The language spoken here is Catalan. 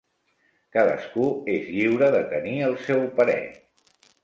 Cadascú és lliure de tenir el seu parer.